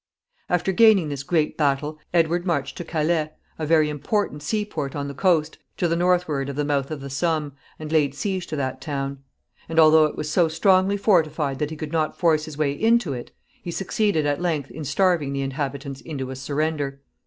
After gaining this great battle Edward marched to Calais, a very important sea port on the coast, to the northward of the mouth of the Somme, and laid siege to that town; and, although it was so strongly fortified that he could not force his way into it, he succeeded at length in starving the inhabitants into a surrender.